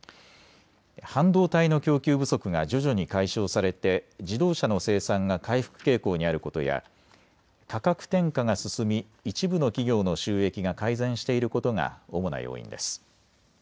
半導体の供給不足が徐々に解消されて自動車の生産が回復傾向にあることや価格転嫁が進み一部の企業の収益が改善していることが主な要因です。